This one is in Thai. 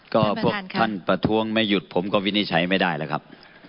ก็พวกท่านประท้วงไม่หยุดผมก็วินิจฉัยไม่ได้แล้วครับ